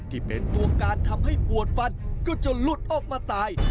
ที่เป็นตัวการทำให้ปวดฟันก็จะหลุดออกมาตาย